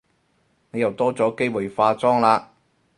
你又多咗機會化妝喇